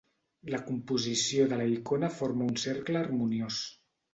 La composició de la icona forma un cercle harmoniós.